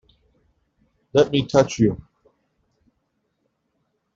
Let me touch you!